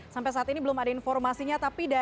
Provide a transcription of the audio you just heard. sampai saat ini belum ada informasinya